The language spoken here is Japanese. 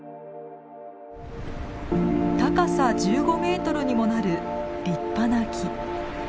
高さ１５メートルにもなる立派な木。